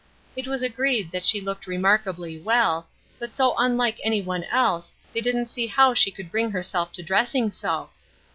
It was agreed that she looked remarkably well, but so unlike any one else they didn't see how she could bring herself to dressing so.